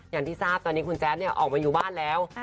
อย่างที่ทราบตอนนี้คุณแจ๊ดออกมาอยู่บ้านแล้ว